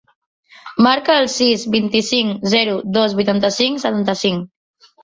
Marca el sis, vint-i-cinc, zero, dos, vuitanta-cinc, setanta-cinc.